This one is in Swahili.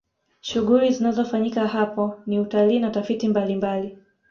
shughuli zinazofanyika hapo ni utalii na tafiti mbalimbali